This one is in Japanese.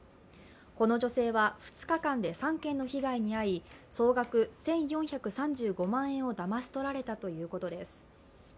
この女性は２日間で３件の被害に遭い総額１４３５万円をだまし取られたということです。